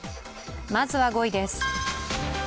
まずは５位です。